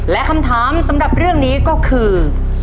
และคำถามสำหรับเรื่องนี้ก็คือ